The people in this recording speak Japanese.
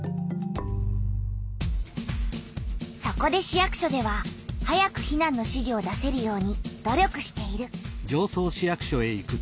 そこで市役所では早く避難の指示を出せるように努力している。